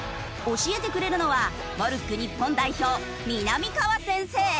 教えてくれるのはモルック日本代表みなみかわ先生！